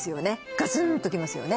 ガツンときますよね